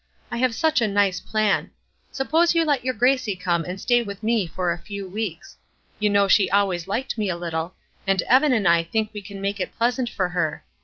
I have such a nice plan. Suppose you let your Gracie come and stay with me for a few weeks. You know she always liked me a little, and Evan and I think we can make it pleasant for her.